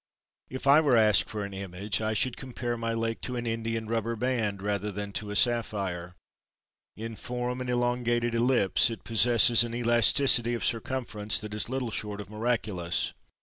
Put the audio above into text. If I were asked for an image, I should compare my Lake to an India rubber band rather than to a sapphire. In form an elongated ellipse, it possesses an elasticity of circumference that is little short of miraculous.